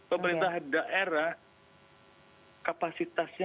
pemerintah daerah kapasitasnya